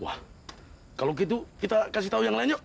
wah kalau gitu kita kasih tau yang lain yuk